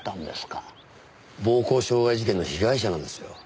暴行傷害事件の被害者なんですよ。